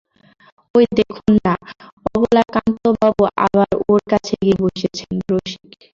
ঐ দেখুন-না, অবলাকান্তবাবু আবার ওঁর কাছে গিয়ে বসেছেন– রসিক।